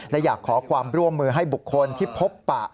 และอยากขอความร่วมมือให้บุคคลที่พบปะ